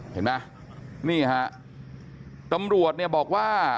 เห็นไหมนี่ฮะตำรวจเนี่ยบอกว่า